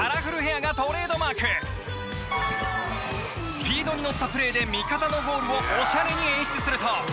スピードにのったプレーで味方のゴールをおしゃれに演出すると。